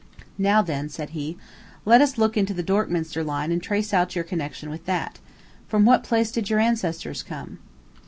"Now, then," said he, "let us look into the Dorkminster line and trace out your connection with that. From what place did your ancestors come?"